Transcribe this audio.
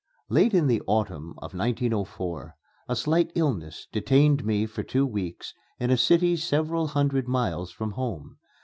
Late in the autumn of 1904, a slight illness detained me for two weeks in a city several hundred miles from home.